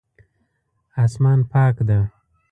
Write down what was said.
اسمان پاک ده